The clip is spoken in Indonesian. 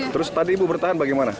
terus tadi ibu bertahan bagaimana